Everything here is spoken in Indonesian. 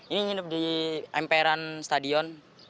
ini nginep di emperan stadion